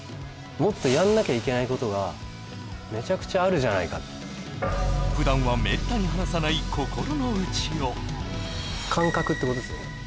もっとやんなきゃいけないことがメチャクチャあるじゃないかって普段はめったに話さない心の内を感覚ってことですよね